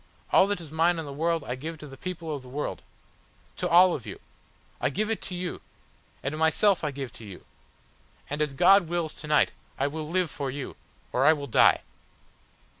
All that is mine in the world I give to the people of the world. To all of you. I give it to you, and myself I give to you. And as God wills to night, I will live for you, or I will die."